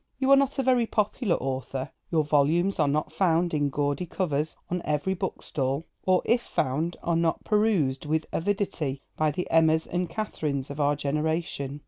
You are not a very popular author: your volumes are not found in gaudy covers on every bookstall; or, if found, are not perused with avidity by the Emmas and Catherines of our generation.